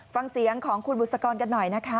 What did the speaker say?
ฟังเสียงของคุณบุษกรกันหน่อยนะคะ